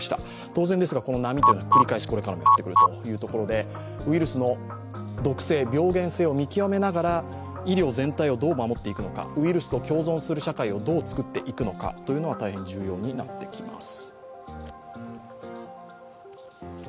当然ながらこの波というのは、これからも繰り返しになるということでウイルスの毒性、病原性を見極めながら、医療全体をどう守っていくのかウイルスと共存する社会をどう作っていくかが大変重要になってきます。